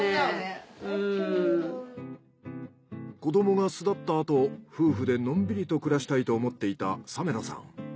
子どもが巣立ったあと夫婦でのんびりと暮らしたいと思っていた鮫田さん。